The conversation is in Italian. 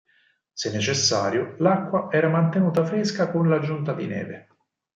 Se necessario, l'acqua era mantenuta fresca con l'aggiunta di neve.